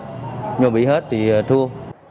nhưng mà bị hết thì thua